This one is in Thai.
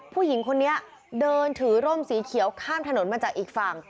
ผู้หญิงคนนี้เดินถือร่มสีเขียวข้ามถนนมาจากอีกฝั่ง